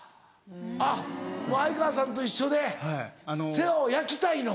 あっもう哀川さんと一緒で世話を焼きたいのか。